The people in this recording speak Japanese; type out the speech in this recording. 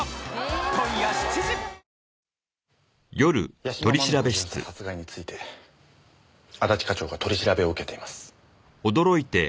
屋島真美子巡査殺害について安達課長が取り調べを受けています。